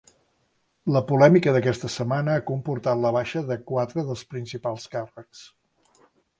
La polèmica d’aquesta setmana ha comportat la baixa de quatre dels principals càrrecs.